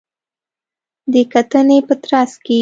د کتنې په ترڅ کې